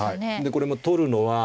これも取るのは。